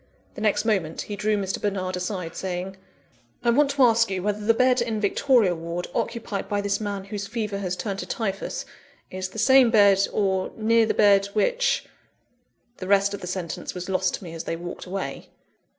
The next moment he drew Mr. Bernard aside, saying: "I want to ask you whether the bed in Victoria Ward, occupied by this man whose fever has turned to typhus, is the same bed, or near the bed which " The rest of the sentence was lost to me as they walked away.